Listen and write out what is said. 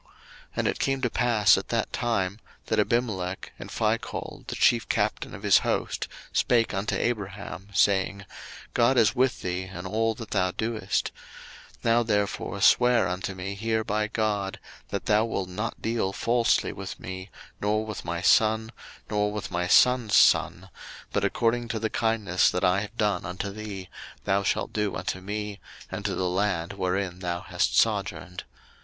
01:021:022 And it came to pass at that time, that Abimelech and Phichol the chief captain of his host spake unto Abraham, saying, God is with thee in all that thou doest: 01:021:023 Now therefore swear unto me here by God that thou wilt not deal falsely with me, nor with my son, nor with my son's son: but according to the kindness that I have done unto thee, thou shalt do unto me, and to the land wherein thou hast sojourned.